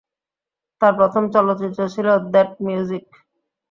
তার প্রথম চলচ্চিত্র ছিল "দ্যাট মিউজিক"।